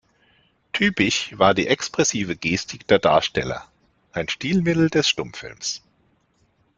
Typisch war die expressive Gestik der Darsteller, ein Stilmittel des Stummfilms.